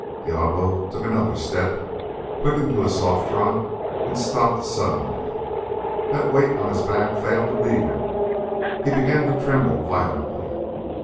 Diablo took another step, quickened to a soft trot, and stopped suddenly. That weight on his back failed to leave him. He began to tremble violently.